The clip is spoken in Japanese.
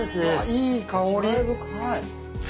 いい香り。